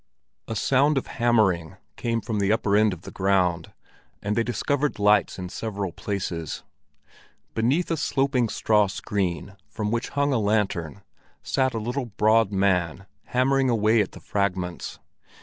A sound of hammering came from the upper end of the ground, and they discovered lights in several places. Beneath a sloping straw screen, from which hung a lantern, sat a little, broad man, hammering away at the fragments.